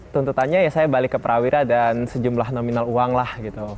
tuntutannya ya saya balik ke prawira dan sejumlah nominal uang lah gitu